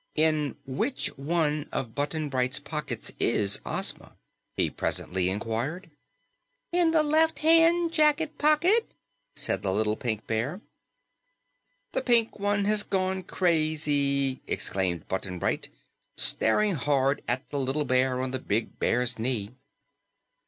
"In which one of Button Bright's pockets is Ozma?" he presently inquired. "In the left hand jacket pocket," said the little Pink Bear. "The pink one has gone crazy!" exclaimed Button Bright, staring hard at the little bear on the big bear's knee.